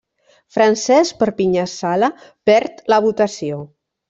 Francesc Perpinyà Sala perd la votació.